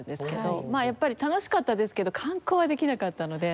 やっぱり楽しかったですけど観光はできなかったので。